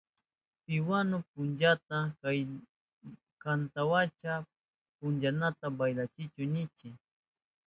Piwanu pishkuka kantahushpan punchanata baylachihun ninchi.